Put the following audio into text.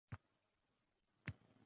Uning ko‘zidan o‘t chiqib ketdi